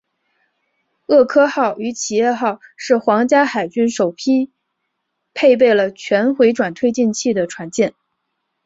厄科号与企业号是皇家海军首批配备了全回转推进器的船舰。